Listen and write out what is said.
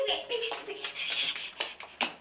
udah aku disedi podcast